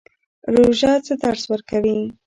روژه څه درس ورکوي؟